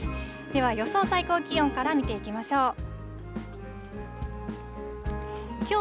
では予想最高気温から見ていきましょう。